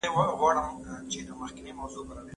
ملي احساسات پیاوړي وو.